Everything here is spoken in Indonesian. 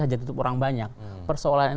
hajat hidup orang banyak persoalan